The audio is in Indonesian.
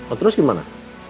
oh terus gimana